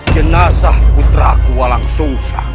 jenasah putraku walang sungshang